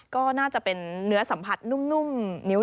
ก็น่าจะเป็นเนื้อสัมผัสนุ่มนิ้ว